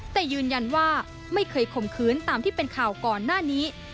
แต่ยืนยันว่าไม่เคยข่มขืนตามที่เป็นข่าวก่อนหน้านี้